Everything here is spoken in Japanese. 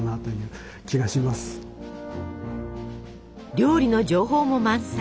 料理の情報も満載。